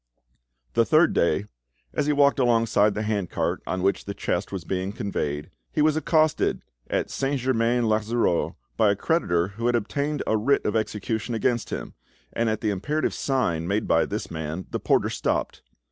The third day, as he walked alongside the handcart on which the chest was being conveyed, he was accosted at Saint Germain l'Auxerrois by a creditor who had obtained a writ of execution against him, and at the imperative sign made by this man the porter stopped.